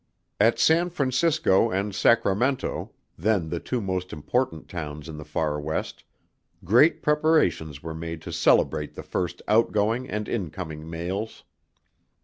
At San Francisco and Sacramento, then the two most important towns in the far West, great preparations were made to celebrate the first outgoing and incoming mails.